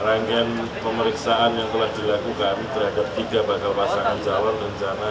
rangkaian pemeriksaan yang telah dilakukan terhadap tiga bakal pasangan calon rencana